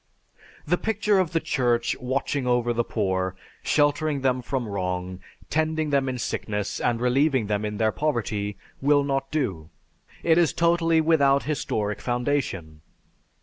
The picture of the Church watching over the poor, sheltering them from wrong, tending them in sickness, and relieving them in their poverty will not do. It is totally without historic foundation.